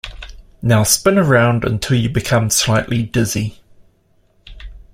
Now spin around until you become slightly dizzy.